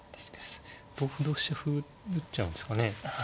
同歩同飛車歩打っちゃうんですかね。